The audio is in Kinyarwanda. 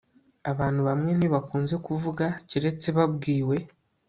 abantu bamwe ntibakunze kuvuga keretse babwiwe